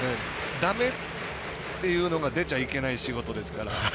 だめっていうのが出ちゃいけない仕事ですから。